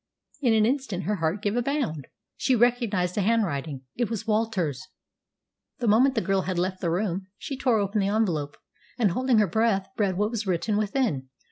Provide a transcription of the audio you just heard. In an instant her heart gave a bound. She recognised the handwriting. It was Walter's. The moment the girl had left the room she tore open the envelope, and, holding her breath, read what was written within.